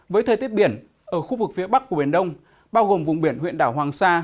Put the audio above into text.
với thời tiết biển ở khu vực phía bắc của biển đông bao gồm vùng biển huyện đảo hoàng sa